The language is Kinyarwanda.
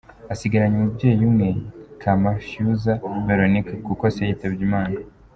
Asigaranye umubyeyi umwe, Kamashyuza Véronique kuko se yitabye Imana.